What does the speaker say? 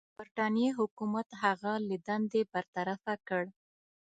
د برټانیې حکومت هغه له دندې برطرفه کړ.